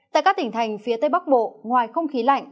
tại các tỉnh thành phía tây bắc bộ ngoài không khí lạnh